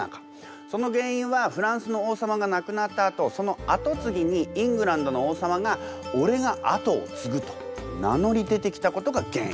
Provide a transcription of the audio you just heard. その原因はフランスの王様が亡くなったあとその跡継ぎにイングランドの王様が「俺が跡を継ぐ！」と名乗り出てきたことが原因。